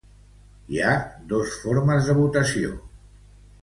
Hi ha dos formes de votació.